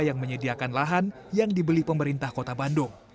yang menyediakan lahan yang dibeli pemerintah kota bandung